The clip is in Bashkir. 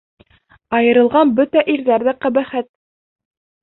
Айырылған бөтә ирҙәр ҙә ҡәбәхәт!